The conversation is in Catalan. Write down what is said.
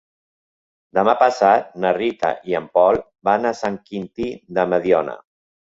Demà passat na Rita i en Pol van a Sant Quintí de Mediona.